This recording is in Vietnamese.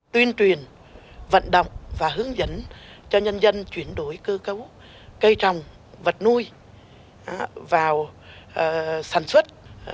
tuyên truyền vận động và hướng dẫn cho nhân dân chuyển đổi cơ cấu cây trồng vật nuôi vào sản xuất